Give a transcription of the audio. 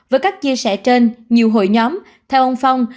với các chia sẻ trên nhiều hội nhóm theo ông phong